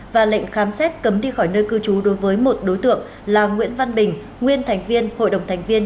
và lệnh khám xét cấm đi khỏi nơi cư trú đối với một đối tượng là nguyễn văn bình nguyên thành viên hội đồng thành viên